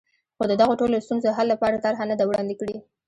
خو د دغو ټولنو ستونزو حل لپاره طرحه نه ده وړاندې کړې.